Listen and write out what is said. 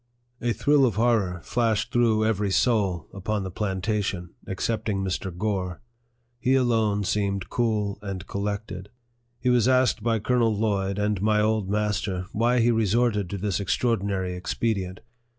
A thrill of horror flashed through every soul upon the plantation, excepting Mr. Gore. He alone seemed cool and collected. He was asked by Colonel Lloyd and my old master, why he resorted to this extraordinary expedient.